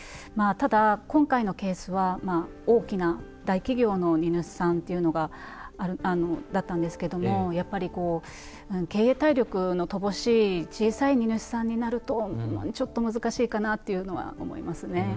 まあただ今回のケースは大きな大企業の荷主さんだったんですけどもやっぱりこう経営体力の乏しい小さい荷主さんになるとちょっと難しいかなっていうのは思いますね。